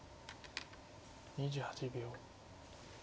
２８秒。